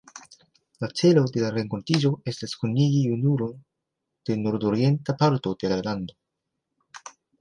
La celo de la renkontiĝo estas kunigi junulon de nordorienta parto de la lando.